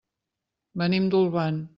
Venim d'Olvan.